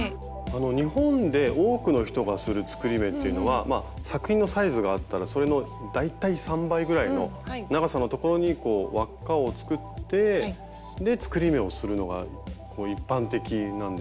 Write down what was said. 日本で多くの人がする作り目っていうのは作品のサイズがあったらそれの大体３倍ぐらいの長さのところにこう輪っかを作って作り目をするのが一般的なんですけど。